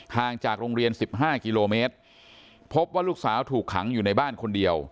จากโรงเรียน๑๕กิโลเมตรพบว่าลูกสาวถูกขังอยู่ในบ้านคนเดียว